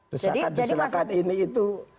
reshakan diselakat ini itu